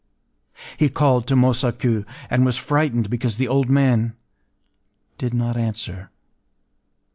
He called to Mosaku, and was frightened because the old man did not answer.